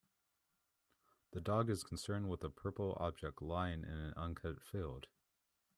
The dog is concerned with a purple object lying in an uncut field.